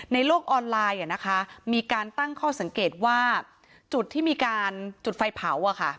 ในโลกออนไลน์มีการตั้งข้อสังเกตว่าจุดที่มีการจุดไฟเผา